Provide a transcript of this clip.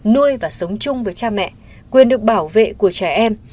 nuôi và sống chung với cha mẹ quyền được bảo vệ của trẻ em